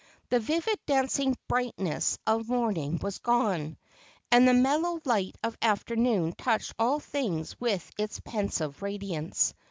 The vivid dancing bright ness of morning was gone, and the mellow light of afternoon touched all things with its pensive radiance.